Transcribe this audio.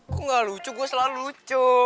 gue gak lucu gue selalu lucu